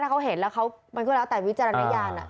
ถ้าเขาเห็นแล้วมันก็แล้วแต่วิจารณญาณ